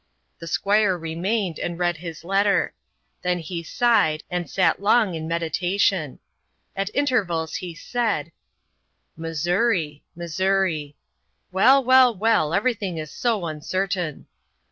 The Squire remained, and read his letter. Then he sighed, and sat long in meditation. At intervals he said: "Missouri. Missouri. Well, well, well, everything is so uncertain."